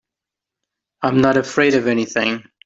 I'm not afraid of anything.